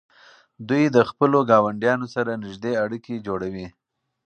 دوی د خپلو ګاونډیانو سره نږدې اړیکې جوړوي.